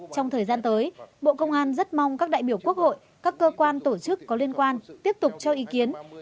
trong thời gian tới bộ công an rất mong các đại biểu quốc hội các cơ quan tổ chức có liên quan tiếp tục cho ý kiến